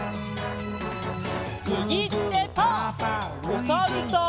おさるさん。